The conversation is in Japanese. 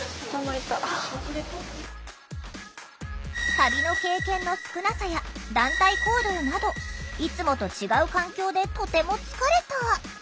旅の経験の少なさや団体行動などいつもと違う環境でとても疲れた。